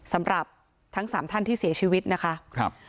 สำหรับทั้งสามท่านที่เสียชีวิตนะคะ